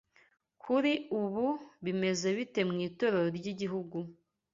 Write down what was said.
Kuri ubu bimeze bite mwitorero ryigihugu